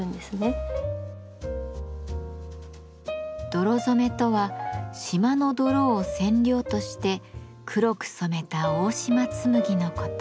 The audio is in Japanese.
泥染めとは島の泥を染料として黒く染めた大島紬のこと。